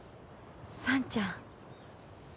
さんちゃん。